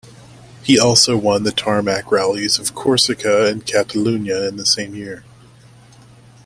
He also won the tarmac rallies of Corsica and Catalunya in the same year.